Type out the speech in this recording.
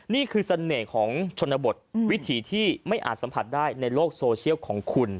นี่คือเสน่ห์ของชนบทวิถีที่ไม่อาจสัมผัสได้ในโลกโซเชียลของคุณ